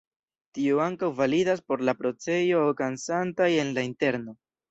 Tio ankaŭ validas por la procesoj okazantaj en la interno.